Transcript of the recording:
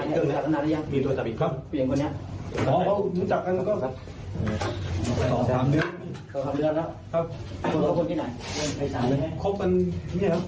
คุณผู้ชมเจออย่างไรทำไมไม่รู้คือ